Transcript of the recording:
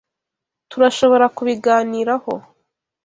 Turashobora kubiganiraho.